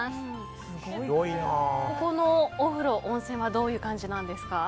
ここのお風呂、温泉はどういう感じなんですか？